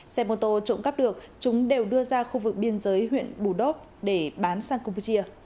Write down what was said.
xe mô tô trộm cắp được chúng đều đưa ra khu vực biên giới huyện bù đốc để bán sang campuchia